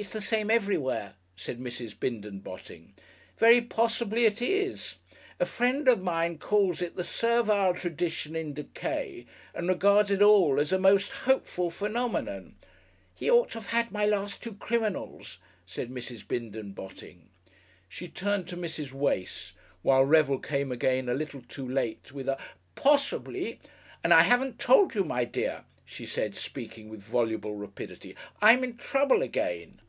"It's the same everywhere," said Mrs. Bindon Botting. "Very possibly it is. A friend of mine calls it the servile tradition in decay and regards it all as a most hopeful phenomenon " "He ought to have had my last two criminals," said Mrs. Bindon Botting. She turned to Mrs. Wace while Revel came again a little too late with a "Possibly " "And I haven't told you, my dear," she said, speaking with voluble rapidity, "I'm in trouble again."